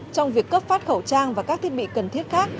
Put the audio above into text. trong việc cấp phát khẩu trang và các thiết bị cần thiết khác